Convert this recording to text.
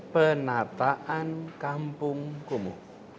penataan kampung kumuh